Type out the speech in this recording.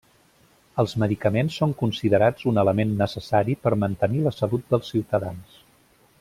Els medicaments són considerats un element necessari per mantenir la salut dels ciutadans.